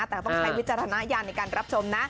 แต่ต้องใช้วิจารณญาณในการรับชมนะ